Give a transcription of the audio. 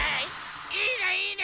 いいねいいね！